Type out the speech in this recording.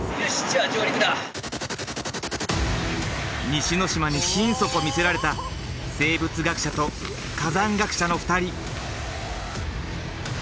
西之島に心底魅せられた生物学者と火山学者の２人。